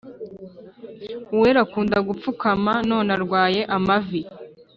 uwera akunda gupfukama none arwaye amavi